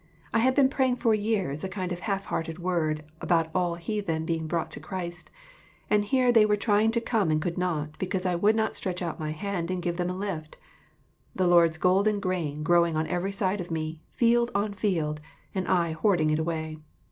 I had been praying for years a kind of half hearted word about all the heathen being brought to Christ, and here they were trying to come and could not, because I would not stretch out my hand and give them a lift ; the Lord's golden grain growing on every side of me, field on field, and I hoarding it away